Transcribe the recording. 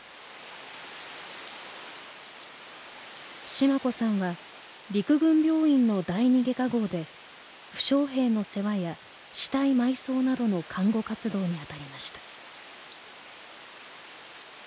シマ子さんは陸軍病院の第２外科壕で負傷兵の世話や死体埋葬などの看護活動に当たりました。